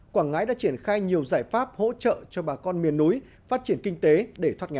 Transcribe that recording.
quảng ngãi đã triển khai nhiều giải pháp hỗ trợ cho bà con miền núi phát triển kinh tế để thoát nghèo